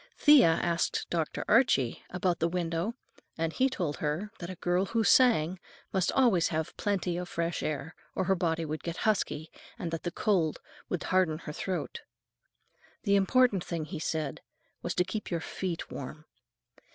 Thea asked Dr. Archie about the window, and he told her that a girl who sang must always have plenty of fresh air, or her voice would get husky, and that the cold would harden her throat. The important thing, he said, was to keep your feet warm.